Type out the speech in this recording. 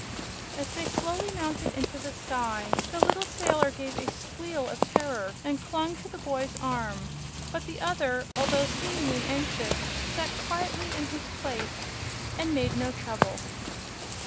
As they slowly mounted into the sky the little sailor gave a squeal of terror and clung to the boy's arm; but the other, although seemingly anxious, sat quietly in his place and made no trouble.